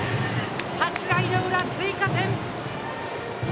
８回裏、追加点！